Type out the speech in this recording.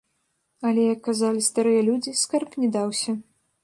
Але, як казалі старыя людзі, скарб не даўся.